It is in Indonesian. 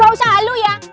gak usah halu ya